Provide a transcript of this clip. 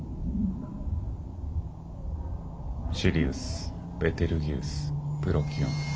シリウスベテルギウスプロキオン。